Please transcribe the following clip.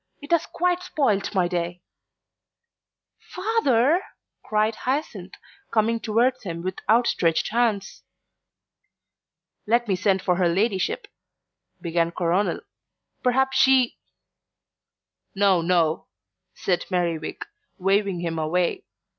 It has quite spoilt my day." "Father!" cried Hyacinth, coming towards him with outstretched hands. "Let me send for her ladyship," began Coronel; "perhaps she " "No, no," said Merriwig, waving them away.